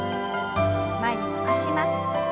前に伸ばします。